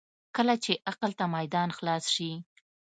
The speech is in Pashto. کله چې عقل ته میدان خلاص شي.